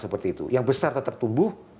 seperti itu yang besar tetap tumbuh